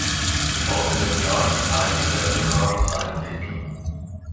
Im folgenden Jahr verteidigte Ungar seinen Titel.